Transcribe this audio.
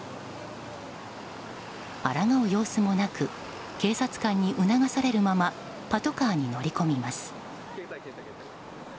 抗う様子もなく警察官に促されるままパトカーに乗り込みます。